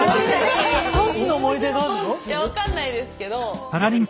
いや分かんないですけど。